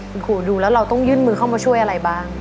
คุณครูดูแล้วเราต้องยื่นมือเข้ามาช่วยอะไรบ้าง